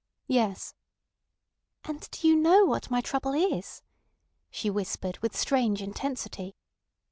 "Yes." "And do you know what my trouble is?" she whispered with strange intensity.